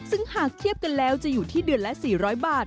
ซึ่งหากเทียบกันแล้วจะอยู่ที่เดือนละ๔๐๐บาท